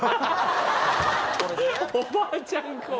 「おばあちゃん子」。